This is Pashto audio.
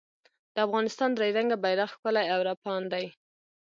د افغانستان درې رنګه بېرغ ښکلی او رپاند دی